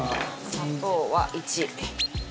砂糖は１。